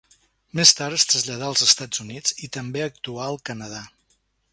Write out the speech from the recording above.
Més tard es traslladà als Estats Units, i també actuà al Canadà.